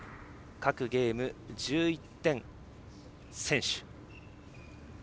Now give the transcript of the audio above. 各ゲーム１１点先取。